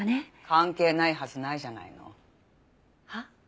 関係ないはずないじゃないの。は？